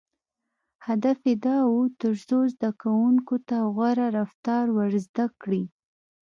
• هدف یې دا و، تر څو زدهکوونکو ته غوره رفتار ور زده کړي.